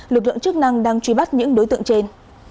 lực lượng chức năng đang truy bắt những đối tượng trên